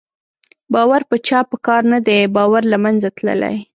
باور په چا په کار نه دی، باور له منځه تللی